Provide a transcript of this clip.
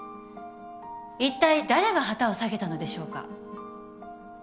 いったい誰が旗を下げたのでしょうか？